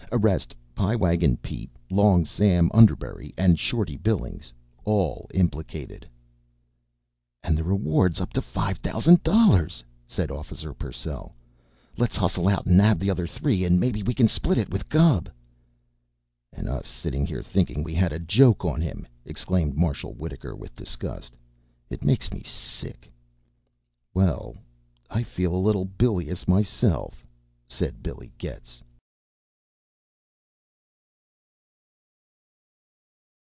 Arrest Pie Wagon Pete, Long Sam Underbury, and Shorty Billings. All implicated. "An' the rewards tot up to five thousand dollars," said Officer Purcell. "Let's hustle out an' nab the other three, an' maybe we can split it with Gubb." "And us sitting here thinking we had a joke on him!" exclaimed Marshal Wittaker with disgust. "It makes me sick!" "Well, I feel a little bilious myself," said Billy Getz.